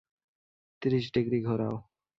ত্রিশ ডিগ্রী ঘোরাও।